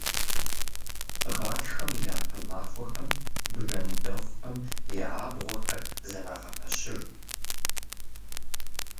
Гъатхэм и япэ махуэхэм бжэндэхъухэм я абгъуэхэр зэрагъэпэщыж.